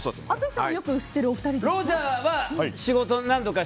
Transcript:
淳さんもよく知ってるお二人ですか。